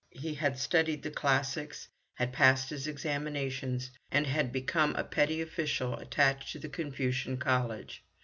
He had studied the classics, had passed his examinations, and had become a petty official attached to the Confucian College.